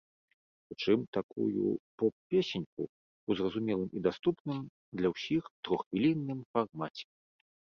Прычым такую поп-песеньку, у зразумелым і даступным для ўсіх троххвілінным фармаце.